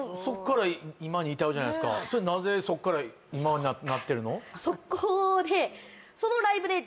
でもそっから今に至るじゃないすかなぜそっから今なってるの？